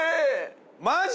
マジ？